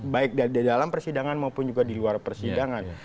baik di dalam persidangan maupun juga di luar persidangan